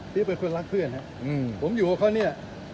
ที่เป็นคนรักเพื่อนผมอยู่กับเขาเนี่ย